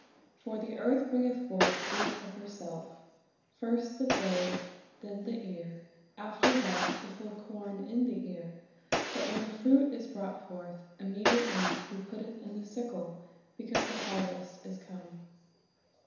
For the earth bringeth forth fruit of herself; first the blade, then the ear, after that the full corn in the ear. But when the fruit is brought forth, immediately he putteth in the sickle, because the harvest is come."